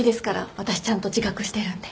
私ちゃんと自覚してるんで。